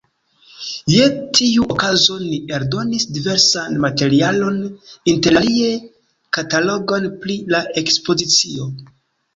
Je tiu okazo oni eldonis diversan materialon, interalie katalogon pri la ekspozicio.